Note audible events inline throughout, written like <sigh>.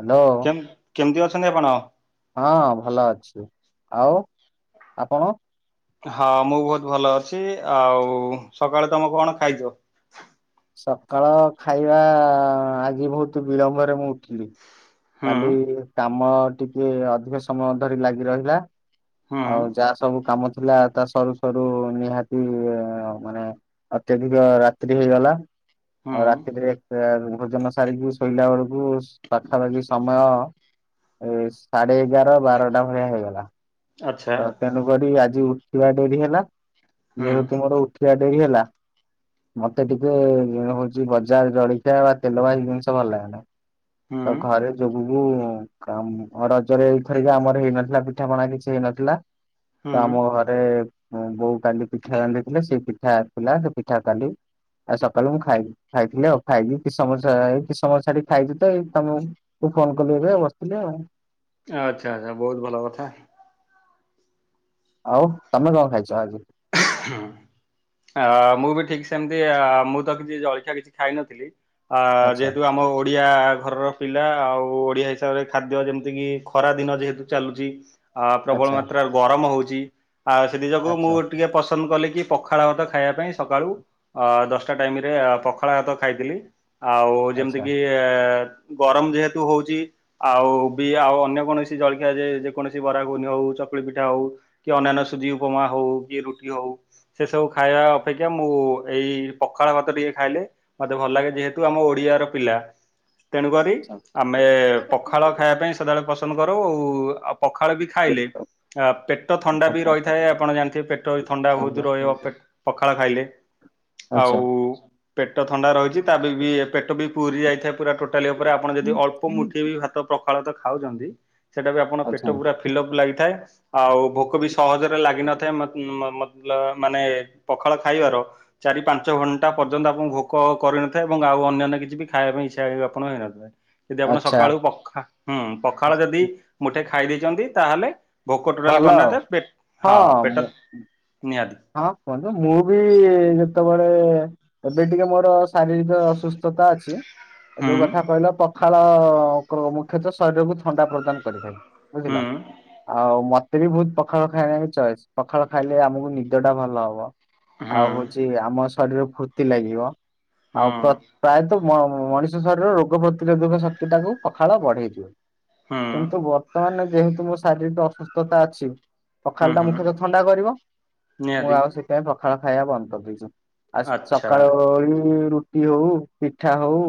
Hello କେମ କେମିତି ଅଛନ୍ତି ଆପଣ? ହଁ ଭଲ ଅଛି ଆଉ ଆପଣ? ହଁ ମୁଁ ବହୁତ ଭଲ ଅଛି। ଆଉ ସକାଳେ ତମକୁ କଣ ଖାଇଛ? ସକାଳ ଖାଇବା ଆଜି ବହୁତ ବିଳମ୍ବରେ ମୁଁ ଉଠିଲି। ହୁଁ କାଲି କାମ ଟିକେ ଅଧିକ ସମୟ ଧରି ଲାଗି ରହିଲା। ହୁଁ ଆଉ ଯାହା ସବୁ କାମ ଥିଲା ତା ସରୁ ସରୁ ନିହାତି ମାନେ ଅତ୍ୟଧିକ ରାତ୍ରି ହେଇଗଲା। ଆଉ ହୁଁ ରାତିିରେ ଶୋଇବାରୁ ଭୋଜନ ସାରିକି ଶୋଇଲା ବେଳକୁ ପାଖାପାଖି ସମୟ ଏ ସାଢେ ଏଗାର ବାରଟା ଭଳିଆ ହେଇଗଲା। ଆଚ୍ଛା ତ ତେଣୁକରି ଆଜି ଉଠିବା ଡେରି ହେଲା ହୁଁ ଯେହେତୁ ମୋର ଉଠି ସେଆ ଡେରି ହେଲା। ମତେ ଟିକେ ହଉଚ ବଜାର ଜଳଖିଆ ବା ତେଲ ବାଇ ଜିନିଷ ଭଲ ଲାଗେନା। ହୁଁ ତ ଘରେ ଯୋଗ କୁ କାମ୍ ରଜରେ ଏଇଥରିକା ଆମର ହେଇନଥିଲା ପିଠାପଣା କିଛି ହେଇନଥିଲା। ତ ହୁଁ ଆମ ଘରେ ବୋଉ କାଲି ପିଠା ବାନ୍ଧିଥିଲେ ସେ ପିଠା ଥୀଲା। ସେ ପିଠା କାଲି ଆଉ ସକାଳୁ ମୁଁ ଖାଇଲି ଖାଇଥିଲି ଆଉ ଖାଇଛିି କି ସମୟ ସା କିଛି ସମୟ ଛାଡିକି ଖାଇଛି ତ ଏଇ ତମ ଫୋନ କଲି ଏବେ ବସିଥିଲି ଆଉ। ଆଚ୍ଛା ଆଛା ବହୁତ ଭଲ କଥା। ଆଉ ତମେ କଣ ଖାଇଛ ଆଜି? ଆ ମୁଁ ବି ଠିକ ସେମିତି ମୁଁ ତ କିଛି ଜଳିଖିଆ କିଛି ଖାଇନଥିଲି। ଆ ଆଚ୍ଛା ଯେହେତୁ ଆମ ଓଡିଆ ଘରର ପିଲା ଆଉ ଓଡିଆ ହିସାବରେ ଖାଦ୍ୟ ଯେମିତି କିି ଖରା ଦିନ ଯେହେତୁ ଚାଲୁଛି ଆ ପ୍ରବଳ ଆଚ୍ଛା ମାତ୍ରାରେ ଗରମ ହଉଛି ଆ ସେଥିି ଯୋଗୁ ମୁଁ ଆଚ୍ଛା ଟିକେ ପସ କଲି କି ପଖାଳ ଭାତ ଖାଇବା ପାଇଁ ସକାଳୁ ଅ ଦଶଟା ଟାଇମ ରେ ପଖାଳ ଭାତ ଖାଇଥିଲି। ଆଉ ଯେମିତି ଆଚ୍ଛା କିି ଗରମ ଯେହେତୁ ହଉଛି ଆଉ ବି ଆଉ ଅନ୍ୟ କୌଣସି ଜଳଖିଆ ଯେ ଯେକୌଣସି ବରା ଗୁଗୁନି ହଉ ଚକୁଳି ପିଠା ହଉ କି ଅନ୍ୟନ୍ୟ ସୁଯି ଉପମା ହଉ କି ରୁ ହଉ ସେ ସବୁ ଖାଇବା ଅପେକ୍ଷା ମୁଁ ଏଇ ପଖାଳ ଭାତ ଟିକେ ଖାଇଲେ ମତେ ଭଲ ଲାଗେ। ଯେହେତୁ ଆମ ଓଡିଆର ପିଲା ତେଣୁକରି ଆମେ ପଖାଳ ଖାଇବା ପାଇଁ ସେଦେବେଳେ ପସନ୍ଦ କରୁ ଆଉ ପଖାଳ ବି ଖାଇଲେ ଆ ପେଟ ଥଣ୍ଡା ବି ଆଚ୍ଛା। ରହିଥାଏ ଆପଣ ଜାଣିଥିବେ ପେ ଥଣ୍ଡା ବହୁତ୍ ରହିବ ପଖାଳ ଖାଇଲେ। ଆଉ ଆଚ୍ଛା ପେଟ ଥଣ୍ଡା ରହିଛି ତା ବି ପେଟ ବି ପୁରୀ ପୁରୀ ଯାଇଥାଏ ପୁରା ଟୋଟାଲି ଉପରେ ଆପଣ ଯଦି ଅଳ୍ପ ମୁଠି ବି ଭାତ ପ୍ରଖାଳ ଖାଉଛନ୍ତି ସେଇଟା ବି ଆପଣଙ୍କ ପେଟ ଆଚ୍ଛା ପୁରା ଫିଲ୍ ଅପ ଲାଗିଥାଏ ଆଉ ଭୋକ ବି ସହଜରେ ଲାଗିିନଥାଏ ମତେ ଉ ମୋତେ ମାନେ ପଖାଳ ଖାଇବାର ଚାରି ପାଞ୍ଚ ଘଣ୍ଟା ପର୍ଯ୍ୟନ୍ତ ଆପଣ ଭୋକ କର କରିନଥାଏ ଏବଂ ଆଉ ଅନ୍ୟାନ୍ୟ କିଛି ବି ଖାଇବା ପାଇଁ ଇଚ୍ଛା ଆପଣ ଥାଏ। ଯଦି ଆପଣ ଆଚ୍ଛା ସକାଳୁ ପଖା ହୁଁ ପଖାଳ ଯଦି ମୁଠେ ଖାଇ ଦେଇେଇଛନ୍ତି ତାହେଲେ ଭୋକ ଟୋଟାଲି ଭଲ କରନା ଆଉ ପେ ହଁ ପେଟ ନିହାତି ହଁ କୁହନ୍ତୁ ମୁଁ ବି ଯେତେବେଳେ ଏବେ ଟିକେ ମୋର ଶାରୀରିକ ଅସୁସ୍ଥତା ଅଛି ହୁଁ ଯୋଉ କଥା କହିଲ ପଖାଳ ମୁଖ୍ୟତଃ ଶରୀରକୁ ଥଣ୍ଡା ପ୍ରଦାନ କରିଥାଏ। ବୁଝିଲ ହୁଁ ଆଉ ମ ମୋତେ ବି ବହୁତ ପଖାଳ ଖାଇ ବା ଇ ଚଏସ୍ ପଖାଳ ଖାଇଲେ ଆମକୁ ନିଦ ଟା ଭଲ ହବ। ଆଉ ହୁଁ। ହଉଛି ଆମ ଶରୀରରେ ଫୁର୍ତ୍ତି ଲାଗିବ ଆଉ ହଁ ପ୍ର ପ୍ରାୟତଃ ମଣିଷ ଶରୀରର ରୋଗ ପ୍ରତିରୋଧକ ଶକ୍ତି ଟାକୁ ପଖାଳ ବଢେଇ ଦିଏ। ହୁଁ କିନ୍ତୁ ବର୍ତ୍ତମାନ ଯେହେତୁ ମୋ ଶାରୀରିକ ଅସୁସ୍ଥତା ଅଛି। ପଖାଳ ହୁଁ ଟା ହୁଁ ମୁଖ୍ୟତ ଥଣ୍ଡା କରିବ ମୁଁ ନିହାତି ଆଉ ସେଥିପାଇଁ ପଖାଳ ଖାଇବା ବନ୍ଦ କରିଦେଇଛି। ଆଉ ଆଚ୍ଛା ସକାଳଳେ ରୁଟି ହଉ ପିଠା ହଉ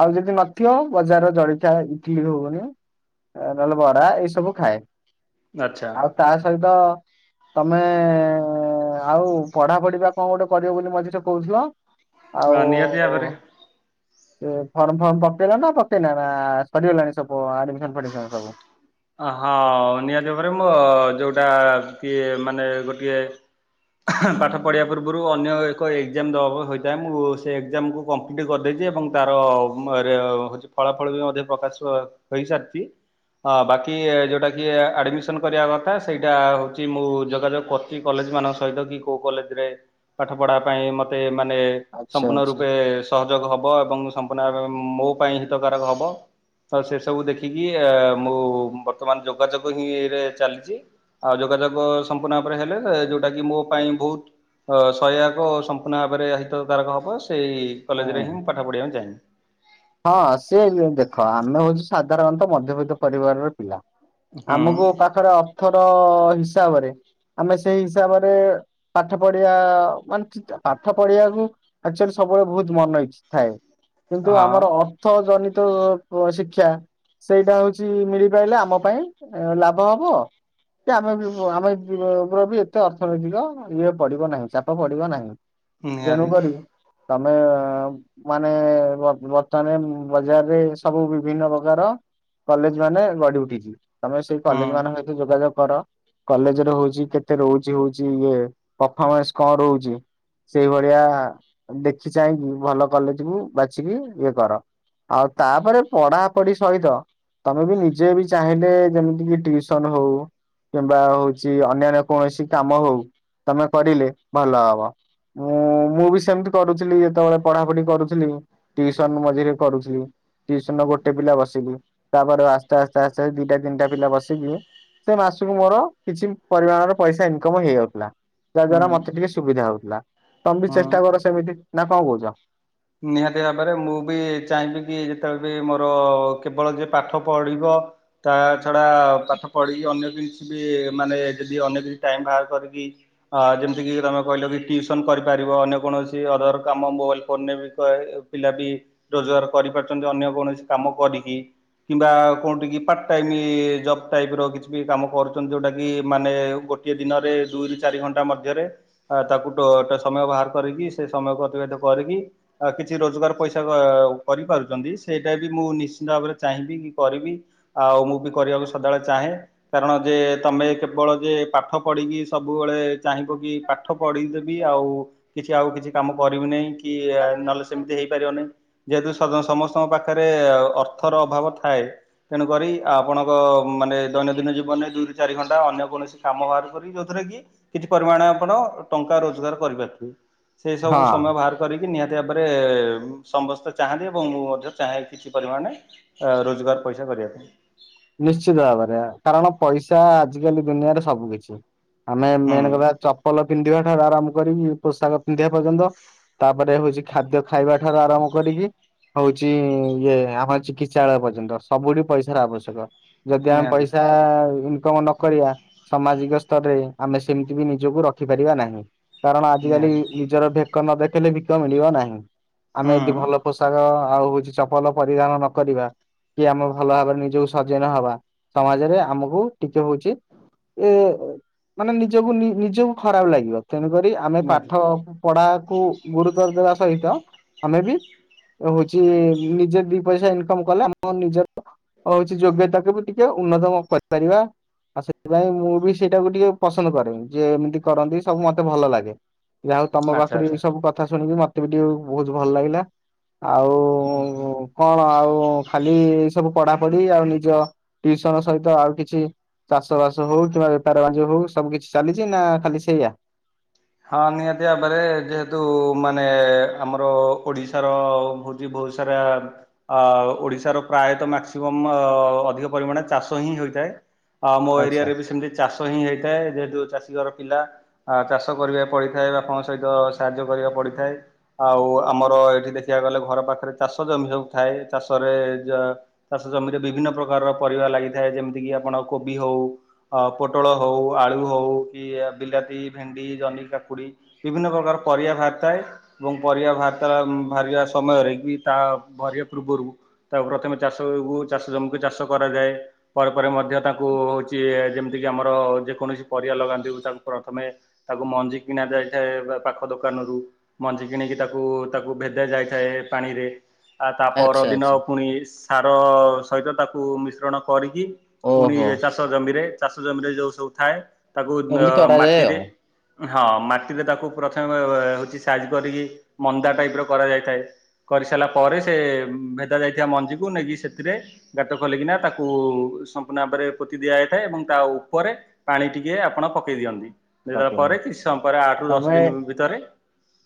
ଆଉ ଯଦି ନଥିବ ବଜାର ଜଳଖିଆ ଇଟିଲୀ ଘୁଂହୁନି ନଲେ ବରା ଏଇ ସବୁ ଖାଏ। ଆଚ୍ଛା ଆଉ ତା ସହିତ ତମେ ଆଉ ପଢା ପଢିିବା କଣ ଗୋଟେ କରିବ ବୋଲି ମଝିରେ କହୁଥିଲ। ଆ, ନିହାତି ଭାବରେ ଆଉ ସେ ଫର୍ମ ଫର୍ମ ପକେଇଲା ନା ପକେଇଲା ନା ସରିଗଲାଣି ସବୁ ଆ ହଁ ନିହାତି ଭାବରେ ମୋ ଯୋଉଠି ଏଟା କିଏ ମାନେ ଗୋଟିଏ ପାଠ ପଢିବା ପୂର୍ବରୁ ଅନ୍ୟ ଏକ ଏକ୍ଜାମ ଦେବା ହୋଇଥାଏ ମୁଁ ସେ ଏକ୍ଜାମକୁ କମ୍ପ୍ଲିଟି କରିଦେଇ ଏବଂ ତାର ହଉଛି ଫଳା ଫଳ ବି ମଧ୍ୟ ପ୍ରକାଶ ହେଇସାରିଛି। ହଁ ବାକି ଯୋଉଟା କି ଆଡମିସନ କରିବା କଥା ସେଇଟା ହଉଛି ମୁଁ ଯୋଗାଯୋଗ କରଛି କଲେଜ ମାନଙ୍କ ସହିତ କି କୋଉ କଲେଜରେ ପାଠ ପଢା ପାଇଁ ମତେ ଆଚ୍ଛା ସମ୍ପୂର୍ଣ ଆଚ୍ଛା ରୂପେ ସହଯୋଗ ହବ ହେବ ଏବଂ ସମ୍ପୂର୍ଣ୍ଣ ଭାବେ ମୋ ପାଇଁ ହିତକାରକ ହବ ସେସବୁ ଦେ ଖିକି ମୁଁ ବର୍ତ୍ତମାନ ଯୋଗାଯୋଗ ହିଁରେ ଚାଲିଛି ଆଉ ଯୋଗାଯୋଗ ସମ୍ପୂର୍ଣ୍ଣ ହେଲେ ଯୋଉଟା କି ମୋ ପାଇଁ ବହୁତ ସହାୟକ ସମ୍ପୂର୍ଣ ଭାବରେ ହିତକାରକ ହବ। ସେଇ କଲେଜରେ ହଁ। ହିଁ ମୁଁ ପାଠ ପଢ଼ିବାକୁ ଚାହବି। ହଁ ସିଏ ଦେଖ, ଆମେ ହଉଛୁ ସାଧାରଣତଃ ମଧ୍ୟବିତ୍ତ ପରିବାରର ପିଲା ହୁଁ ଆମକୁ ପାଖରେ ଅର୍ଥର ହିସାବରେ ଆମେ ସେଇ ହିସାବରେ ପାଠ ପଢ଼ିଆ, ମାନେ ପାଠ ପଢିବାକୁ ଆକୁଚୁଆଲି ସବୁବେଳେ ବହୁତ ମନ ଇ ଥାଏ, କିନ୍ତୁ ଆମର ହଁ ଅର୍ଥ ଜନିତ ଶିକ୍ଷା ସେଇଟା ହଉଛି ମିଳିପାଇଲେ, ଆମ ପାଇଁ ଲାଭ ହବ। କି ଆମେ ବି ଆମେ ବି ଏତେ ଅର୍ଥନୈତିକ ଇଏ ପଡିବ ନାହିଁ, ଚାପ ପଡିବ ନାହିଁ। ହଁ ଆ <unintelligible> ରିକ ତେଣୁକରି ତମେ ମାନେ? ମାନେ, ବଜାରରେ ସବୁ ବିଭିନ୍ନ ପ୍ରକାର କଲେଜ ମାନେ ଗଢ଼ି ଉଠିଛି। ତମେ ସେଇ ହୁଁ କଲେଜ ମାନଙ୍କ ଏତ ଯୋଗାଯୋଗ କର କଲେଜ ର ହଉଛି, କେତେ ରହୁଛି ହଉଛି ଇଏ ପରଫମାନ୍ସ କଣ ରହୁଛି? ସେଇ ଭଳିଆ ଦେଖି ଚାହିଁକି ଭଲ କଲେଜକୁୁ ବାଛିିକି ଇଏ କର। ଆଉ ତାପରେ ପଢାପଢି ସହିତ ତମେ ବି ନିଜେ ବି ଚାହିଁଲେ, ଯେମିତିକ ଟିଉସନ ହଉ କିମ୍ବା ହଉଛି ଅନ୍ୟାନ୍ୟ କୌଣସି କାମ ହଉ ତମେ କରିଲେ ଭଲ ହବ, ମୁଁ, ମୁଁ ବି ସେମିତି କରୁଥିଲି, ଯେତେବେଳେ ପଢାପଢି କରୁଥିଲି, ଟିଉସନ ମଝିରେ କରୁଥିଲି। ଟିସନ ଗୋଟେ ପିଲା ବସିକି, ତାପରେ ଆସ୍ତେ ଆସ୍ତେ ଆସ୍ତେ ଦିଟା ତିନିଟା ପିଲା ବସିକି ସେ ମାସକୁ ମୋର କିଛି ପରିମାଣର ପଇସା ଇନକମ ହେଇଯାଉଥିଲା। ଯାହା ହୁଁ ଦ୍ଵାରା ମତେ ଟିକେ ସୁବିଧା ହଉଥିଲା, ତମେ ବି ହୁଁ। ଚେଷ୍ଟା କର ସେମିତି, ନା କଣ କହୁଛ? ନିହାତି ଭାବରେ ମୁଁ ବି ଚାହିଁବି କି ଯେତେବେଳେ ବି ମୋର କେବଳ ଯ ପାଠ ପଢିବ ତା ଛଡା ପାଠ ପଢିକି ଅନ୍ୟ କିଛି ବି ମାନେ, ଯଦି ଅନ୍ୟ କିଛି ଟାଇମ ବାହାର କରି ଯେମିତି କିି ତମେ କହିଲ କି ଟିଉସନ କରିପାରିବ, ଅନ୍ୟ କୌଣସି ଅଦର କାମ, ମୋବାଇଲ ପ <unintelligible> ବି ପିଲା ବି ରୋଜଗାର କରିପାରୁଛନ୍ତି ଅନ୍ୟ କୌଣସି କାମ କରିକି କିମ୍ବା କୋଉଠ କିି ପାର୍ଟ ଟାଇମ ଜବ ଟାଇପ ର କିଛି ବି କାମ କରୁଛନ୍ତି ଯୋଉଟା କି ମାନେ ଗୋଟିଏ ଦିନରେ ଦୁରୁ ଚାରି ଘଣ୍ଟା ମଧ୍ୟରେ ତାକୁ ସମୟ ବାହାର କରିକି ସେ ସମୟ କର କି <unintelligible> କିଛି ରୋଜଗାର ପଇସା କରିପାରୁଛନ୍ତି, ସେଇଟା ବି ମୁଁ ନିଶ୍ଚିନ୍ତ ଭାବରେ ଚାହିଁବି କି କରିବି? ଆଉ ମୁଁ ବି କରିବାକୁ ସଦାବେଳେ ଚାହେଁ, କାରଣ -ଯେ ତମେ କେବଳ ଯେ ପାଠ ପଢିକି ସବୁବେଳେ ଚାହିଁବ କି ପାଠ ପଢିଦେବି ଆଉ କିଛି ଆଉ କିଛି କାମ କରିବି ନାହିଁ କି ନହେଲେ ସେମିତି ହେଇପାରିବନି। ଯେହେତୁ ସମସ୍ତଙ୍କ ପାଖରେ ଅର୍ଥର ଅଭାବ ଥାଏ, ତେଣୁକରି ଆପଣଙ୍କ ମାନେ ଦୈନନ୍ଦିନ ଜୀବନରେ ଦୁଇରୁ ଚାରି ଘଣ୍ଟା ଅନ୍ୟ କୌଣସି କାମ ବାହାର କରିବ, ଯୋଉଥିରେ କି କିଛି ପରିମାଣ ଆପଣ ଟଙ୍କା ରୋଜଗାର କରିପାରୁଥିବେ, ସେ ସବୁ ହଁ। ସମୟ ବାହାର- କରିକି ନିହାତି ଭାବରେ ସମସ୍ତେ ଚାହାନ୍ତି ଏବଂ ମୁଁ ମଧ୍ୟ ଚାହେ କିଛି ପରିମାଣ ରୋଜଗାର ପଇସା ସେ କରିବା ପାଇଁ ନିଶ୍ଚିତ ଭାବରେ, କାରଣ ପଇସା ଆଜିକାଲି ଦୁନିଆରେ ସବୁ କିିଛି। ଆମେ ମେନ୍ ହୁଁ କଥା ଚପଲ ପିନ୍ଧିବା ଠାରୁ ଆରାମ କରିକି ପୋଷାକ ପିନ୍ଧିବା ପର୍ଯ୍ୟନ୍ତ ତାପରେ ହଉଛି ଖାଦ୍ୟ ଖାଇବା ଠାରୁ ଆରମ୍ଭ କରିକି ହଉଛି ଇଏ ଆମର ଚିକିତ୍ସାଳୟ ପର୍ଯ୍ୟନ୍ତ ସବୁଠି ପଇସାର ଆବଶ୍ୟକ। ଯଦି ଆମେ ନିହାତି ପଇସା <unintelligible> କରିବା ସାମାଜିକ ସ୍ତରରେ ଆମେ ସେମିତି ବି ନିଜକୁ ରଖିପାରିବା ନାହିଁ। କାରଣ -ଆଜିକାଲି ନିହାତି ନିଜର ଭେକ ନ ଦେଖେଇଲେ ଭିକ ମିଳିବ ନାହିଁ। ଆମେ ହୁଁ ଯଦି ଭଲ ପୋଷାକ ଆଉ ହଉଛି ଚପଲ ପରିଧାନ ନକରିବା କି ଆମେ ଭଲ ଭାବରେ ନିଜକୁ ସଜ ନହବା, ସମାଜରେ ଆମକୁ ଟିକେ ହଉଚି ଏ ମାନେ ନିଜକୁ, ନିଜକୁ ଖରାପ ଲାଗିବ। ତେଣୁକରି ଆମେ ପାଠ ନିହାତି ପଢାକୁ ଗୁରୁତର ଦେବା ସହିତ ଆମେ ବି ହଉଛି, ନିଜେ ଦି ପଇସା ଇନକମ କଲେ ଆମ ନିଜର ହ ଟ ଉନ୍ନତ କରିପାରିବା ଆଉ ସେଥିପାଇଁ ମୁଁ ବି ସେଇଟାକୁ ଟିକେ ପସନ୍ଦ କରେ ଯିଏ ଏମିତି କରନ୍ତି ସବୁ ମତେ ଭଲ ଲାଗେ। ଯା ହଉ ତମ ଆଚ୍ଛା ପାଖରୁ ଏ ଆଚ୍ଛା ସବୁ କଥା ଶୁଣିକି ମତେ ବି ଟିକେ ବହୁତ ଭଲ ଲାଗିଲା। ଆଉ ହୁଁ ହୁଁ। କଣ ଆଉ ଖାଲି ଏ ସବୁ ପଡାପଢି ଆଉ ନିଜ ଟିୟୁସନ୍ ସହିତ ଆଉ କିଛି ଚାଷ ବାସ ହଉ କିମ୍ବା ବେପାର ବାଣିଜ୍ୟ ହଉ ସବୁ କିଛି ଚାଲିଛି ନା ଖାଲି ସେଇଆ? ହଁ ନିହାତି ଭାବରେ ଯେହେତୁ ମାନେ ଆମର ଓଡିଶାର ହଉଛି ବହୁତ ବହୁସାରା ଅ ଓଡିଶାର ପ୍ରାୟତଃ ମାକ୍ସିମମ୍ ସଅଧିକ ପରିମାଣ ଚାଷ ହିଁ ହୋଇଥାଏ। ଥାଏ ମୋ ଆଚ୍ଛା ଏରିଆରେ ସେମିତି ଚାଷ ହିଁ ହେଇଥାଏ ଯେହେତୁ ଚାଷୀ ଘର ପିଲା ଚାଷ ଚାଷ କରିବାକୁ ପଡିଥାଏ ବାପା ଙ୍କ ସହିତ ସାହାଯ୍ୟ କରିବାକୁ ପଡିଥାଏ ତ ଆଉ ଆମର ଏଇଠି ଦେଖିବାକୁ ଗଲେ ଘର ପାଖରେ ଚାଷ ଜମି ସବୁ ଥାଏ ଚାଷରେ ଯ ଚାଷ ଚାଷ ଜମିରେ ବିଭିନ୍ନ ପ୍ରକାରର ପରିବା ଲାଗିଥାଏ ଯେମିତି କି ଆପଣ କୋବି ହଉ ଅ ପୋଟଳ ହଉ ଆଳୁ ହଉ କି ବିଲାତି ଭେଣ୍ଡି ଭେଣ୍ଡି ଜହ୍ନି କାକୁଡି ବିଭିନ୍ନ ପ୍ରକାର ପରିବା ବାହାରିଥାଏ ଏବଂ ପରିବା ବାହାତା ଏମ୍ ବାହାରିବା ସମୟ ରେ କି ତା ଭରିବା ପୂର୍ବରୁ ତାକୁ ପ୍ରଥମେ ଚାଷକୁ ଚାଷ ଜମିକୁ ଚାଷ କରାଯାଏ। ପରେ ପରେ ମଧ୍ୟ ତାଙ୍କୁ ହଉଛି ଯେମିତି କିି ଆମର ଯେକୌଣସି ପରିବା ଲଗାନ୍ତି ତାକୁ ପ୍ରଥମେ ତାକୁ ମଞ୍ଜି କିଣା ଯାଇଥାଏ ପାଖ ଦୋକାନରୁୁ ମଞ୍ଜି କିଣିକି ତାକୁ ତାକୁ ଭେଦା ଯାଇଥାଏ। ପାଣିରେ ଆ ତା ପର ଆଚ୍ଛା ଦିନ ଆଚ୍ଛା ପୁଣି ସାର ସହିତ ତାକୁ ମିଶ୍ରଣ କରି କି ପୁଣି ଓହୋ ଚାଷ ଜମିରେ ଚାଷ ଜମିରେ ଯୋଉ ସବୁ ଥାଏ ତାକୁ ବ ଏମିତି କରାଯାଏ ମାଟିରେ ଆଉ। ହଁ ମାଟିରେ ତାକୁ ପ୍ରଥମେ ବେ ହଉଛି ସାଇଜ କରିକି ମନ୍ଦା ଟାଇପ ର କରାଯାଇଥାଏ। କରିସାରିଲା ପରେ ସେ ଭେଦା ଯାଇଥିବା ମଞ୍ଜିକୁ ନେଇକି ସେଥିରେ ଗାତ ଖୋଲିକିନା ତାକୁ ସମ୍ପୂର୍ଣ୍ଣ ଭାବରେ ପୋତି ଦିଆଯାଇଥାଏ ଏବଂ ତା ଉପରେ ପାଣି ଟିକେ ଆପଣ ପକେଇ ଦିଅନ୍ତି। ଭିଜେଇ ଦେବା ଓକେ ପରେ କିଛି ସମୟ ପରେ ଆଠ ରୁ ଦଶ ଦିନ ଭିତରେ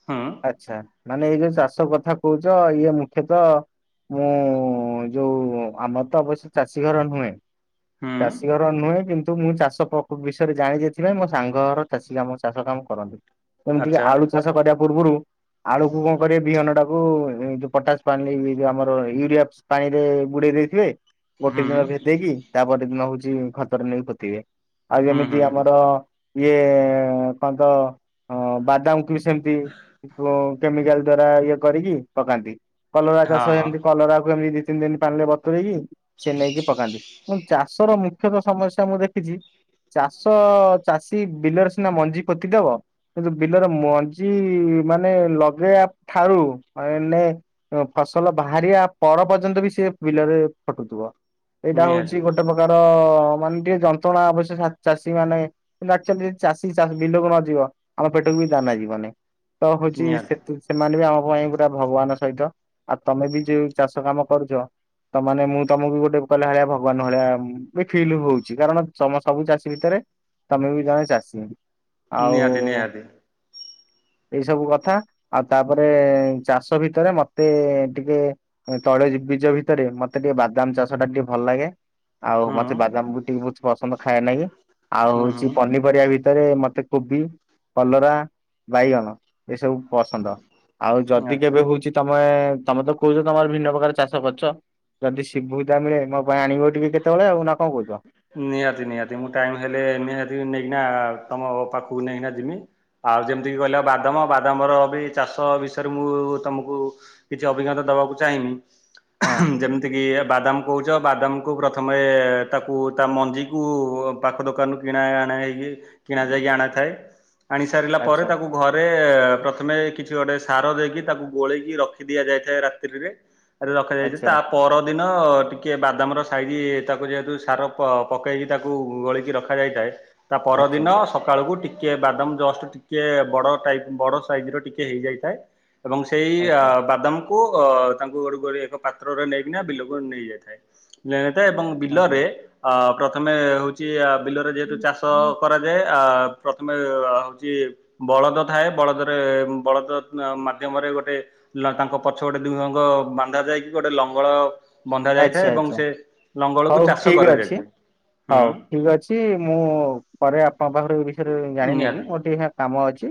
ହୁଁ ଆଛା ମାନେ ଏଇ ଯୋଉ ଚାଷ କଥା କହୁଛ ଇଏ ମୁଖ୍ୟତ ମୁଁ ଯୋଉ ଆମର ତ ଅବଶ୍ୟ ଚାଷୀ ଘର ନୁହେଁ। ହୁଁ ଚାଷୀ ଘର ନୁହେଁ କି ନ୍ତୁ ମୁଁ ଚାଷ ପ୍ରକୁ ବିଷୟରେ ଜାଣି ଏଥିପାଇଁ ମୋ ସାଙ୍ଗ ଘର ଚାଷୀ କାମ ଚାଷ କାମ କରନ୍ତି। ଏମିତିକି ଆଚ୍ଛା ଆଳୁ ଚାଷ କରିବା ପୂର୍ବରୁ ଆଳୁକୁ କଣ କରିବେ ବିହନ ଟାକୁ ଏ ଯୋଉ ପଟାସ ପାଣିରେ ୟୁ ଆମର ୟୁରିଆ ପାଣି ରେ ବୁଡେଇ ଦେଇଥିବେ ଗୋଟେ ହୁଁ ଦିନ ଭେଦେଇକି ତାପରଦିନ ହଉଛି ଖତରେ ନେଇକି ପୋତିିବେ। ଆଉ ହୁଁ ଯେମିତି ହୁଁ ହୁଁ ଆମର ଇଏ କହନ୍ତ ଅ ବାଦାମ କୁ ସେମିତି ଉ କେମିକାଲ ଦ୍ଵାରା ଇଏ କରିକି ପକାନ୍ତି। କଲରା ହଁ ଚାଷ ହଁ ଏମିତି କଲରାକୁ ଏମିତି ଦି ତିନି ଦିନ ପାଣିିରେ ବତୁରେଇକି ସେ ନେଇକି ପକାନ୍ତି। ମୁଁ ଚାଷର ମୁଖ୍ୟତଃ ସମସ୍ୟା ମୁଁ ଦେଖିଛି। ଚାଷ ଚାଷୀ ବିଲରେ ସିନା ମଞ୍ଜି ପୋତିଦବ କିନ୍ତୁ ବିଲରେ ମଞ୍ଜି ମାନେ ଲଗେଇବା ଠାରୁ ମାନେ ଫସଲ ବାହାରିବା ପର ପର୍ଯ୍ୟନ୍ତ ବି ସେ ବିଲରେ ଖଟୁଥିବ ଏଇଟା ନିହାତି ହଉଛି ଗୋଟେ ପ୍ରକାର ଅ ମାନେ ଟିକେ ଯନ୍ତ୍ରଣା ଅବଶ୍ୟ ଚା ଚାଷୀ ମାନେ ଆକଚୁଆଲି ଯଦି ଚାଷୀ ଚାଷ ବିଲକୁ ନ ଯିବ ଆମ ପେଟକୁ ଦାନା ଜୀବନି ତ ହଉଛି ନିହାତି ସେତୁ ସେମାନେ ବି ଆମ ପାଇଁ ପୁରା ଭଗବାନ ସହିତ ଆଉ ତମେ ବି ଯୋଉ ଚାଷ କାମ କରୁଛ ତ ମାନେ ମୁଁ ତମକୁ ଗୋଟେ ଭଳିଆ ଭଗବାନ ଭଳିଆ ବି ଫିଲ୍ ହଉଛି କାରଣ ତମ ସବୁ ଚାଷୀ ଭିତରେ ତମେ ବି ଜଣେ ଚାଷୀ। ନିଆତି ଆଉ ନିହାତି। <inaudible> ଏଇ ସବୁ କଥା ଆଉ ତାପରେ ଚାଷ ଭିତରେ ମତେ ଟିକେ ତଳେ ଯି- ବୀଜ ଭିତରେ ମତେ ଟିକେ ବାଦାମ ଚାଷ ଜିନିଷ ଟା ଟିକେ ଭଲ ଲାଗେ ଆଉ ହୁଁ ମତେ ବାଦାମ ବି ଟିକେ ବ ପସନ୍ଦ ଖାଏବା ଲାଗି। ଆଉ ହୁଁ ହଉଛି ହୁଁ ପନିପରିବା ଭି ତରେ ମତେ କୋବି କଲରା ବାଇଗଣ ଏସବୁ ପସନ୍ଦ ଆଉ ଯଦି ଆଚ୍ଛା। କେବେ ହଉଛି ତମେ ତମେ ତ କହୁଛ ତମର ଭିନ୍ନ ପ୍ରକାର ଚାଷ ଗଛ ଯଦି ସିଭୁ ଧା ମିଳେ ମୋ ପାଇଁ ଆଣିବ ଟିକେ କେତେବେଳେ ଆଉ କଣ କହୁଛ ନିହାତି ନିହାତି ମୁଁ ଟାଇମ ହେଲେ ନିହାତି ନେଇକିନା ତମ ପାଖକୁ ନେଇକିନା ଜିମି। ଆଉ ଯେମିତିକ କହିଲ ବାଦାମ ବାଦାମ ର ବି ଚାଷ ବିଷୟରେ ମୁଁ ତମକୁ କିଛି ଅଭିଜ୍ଞତା ବାକୁ ଚାହିଁମି ହଁ ଯେମିତି କି ବାଦାମ କହୁଛ ବାଦାମ କୁ ପ୍ରଥମେ ତାକୁ ତା ମଞ୍ଜିକୁ ପାଖ ଦୋକାନରୁୁ କିଣା ଆ ହେଇକି କିଣା ଯାଇକି ଆଣାଥାଏ। ଆଣି ସାରିଲା ପରେ ଆଚ୍ଛା। ତାକୁ ଘରେ ପ୍ରଥମେ କିଛି ଗୋଟେ ସାର ଦେଇକି ତାକୁ ଗୋଳେଇକି ରଖି ଦିଆଯାଇଥାଏ ରାତ୍ରିରେ ଏ ରଖାଯାଇଛି ଆଚ୍ଛା ତା ପରଦିନ ଟିକେ ବାଦାମର ସାଇଜ ତାକୁ ଯେହେତୁ ସାର ପକେଇକି ତାକୁ ଗୋଳିକି ରଖାଯାଇଥାଏ ତା ଆଚ୍ଛା ପରଦିନ ସକାଳକୁ ଟି କେ ବାଦାମ ଜଷ୍ଟ ଟିକେ ବଡ ଟାଇପ ବଡ ସାଇଜ ର ଟିକେ ହେଇଯାଇଥାଏ। ଏବଂ ସେଇ ଆଚ୍ଛା ବାଦାମ ଅ ତାଙ୍କୁ ଘର ଏକ ପାତ୍ରରେ ନେଇକିନା ବିଲକୁ ନେଇଯାଇଥାଏ। ଏବଂ ଆଚ୍ଛା ବିଲରେ ଆ ପ୍ରଥମେ ହେଉଛି ବିଲରେ ଯେହେତୁ ଚାଷ କରାଯାଏ। ଆ ପ୍ରଥମେ ହଉଛି ବଳଦ ଥାଏ ବଳଦରେ ବଳଦ ମାଧ୍ୟମରେ ଗୋଟେ ତାଙ୍କ ପଛ ଗୋଟେ ଦୁହଁଙ୍କ ବାନ୍ଧା ଯାଇକି ଗୋଟେ ଲଙ୍ଗଳ ବନ୍ଧା ଯାଇଥାଏ ଆଚ୍ଛା ଏବଂ ଆଚ୍ଛା। ସେ ଲଙ୍ଗଳକୁ ହଉ ଚାଷ ଠିକ ଅଛି କରାଯାଇଥାଏ। ହୁଁ ହଉ ଠିକ ଅଛି ମୁଁ ପରେ ଆପଣଙ୍କ ପାଖରୁ ଜାଣିନେବି ନିହାତି ମୋର ଟିକେ କାମ ଅଛି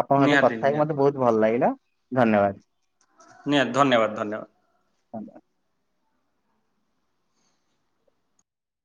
ଆପଣଙ୍କହିତ ନିହାତି କଥା ହେଇକି ନିହାତି ମତେ ବହୁତ ଭଲ ଲାଗିଲା। ଧନ୍ୟବାଦ। ନିହାତୀ ଧନ୍ୟବାଦ ଧନ୍ୟବାଦ। <unintelligible>